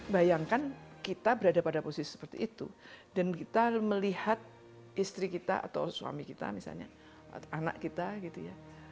bayangkan kita berada pada posisi seperti itu dan kita melihat istri kita atau suami kita misalnya anak kita gitu ya